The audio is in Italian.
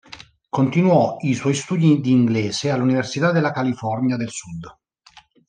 Continuò i suoi studi di inglese all'Università della California del Sud.